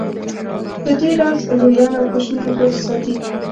په دې راز لویان او کوشنیان بوخت ساتي.